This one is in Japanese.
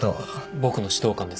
僕の指導官です。